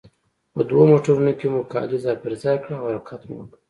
په دوو موټرونو کې مو کالي ځای پر ځای کړل او حرکت مو وکړ.